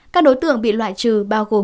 các đối tượng bị loại trừ bao gồm